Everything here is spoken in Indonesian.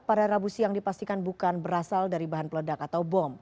pada rabu siang dipastikan bukan berasal dari bahan peledak atau bom